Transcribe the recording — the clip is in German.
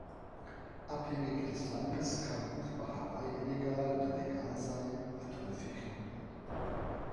Abhängig des Landes kann Buchmacherei illegal oder legal sein und wird häufig reguliert.